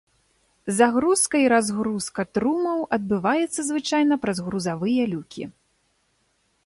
Загрузка і разгрузка трумаў адбываецца звычайна праз грузавыя люкі.